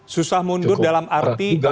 susah mundur dalam arti